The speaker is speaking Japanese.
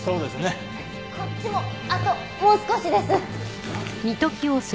こっちもあともう少しです。